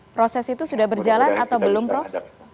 proses itu sudah berjalan atau belum prof